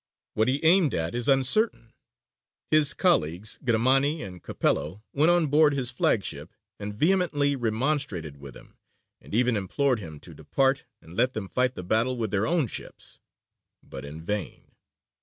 What he aimed at is uncertain: his colleagues Grimani and Capello went on board his flagship, and vehemently remonstrated with him, and even implored him to depart and let them fight the battle with their own ships, but in vain.